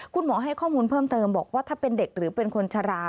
คุณหมอให้ข้อมูลเพิ่มเติมบอกว่าถ้าเป็นเด็กหรือเป็นคนชรา